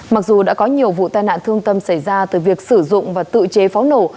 mặc dù đã có nhiều vụ tai nạn thương tâm xảy ra từ việc sử dụng và tự chế pháo nổ